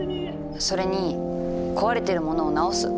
それに壊れてるものをなおす。